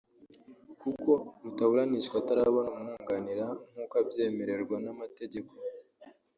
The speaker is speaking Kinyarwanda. kuko rutaburanishwa atarabona umwunganira nk’uko abyemererwa n’amategeko